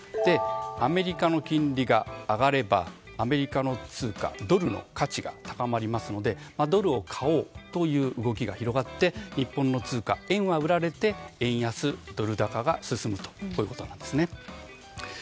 アメリカの金利が上がればアメリカの通貨ドルの価値が高まりますのでドルを買おうという動きが広がり日本の通貨円は売られて円安ドル高が進むということなんです。